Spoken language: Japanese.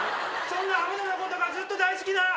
そんな浜田のことがずっと大好きな。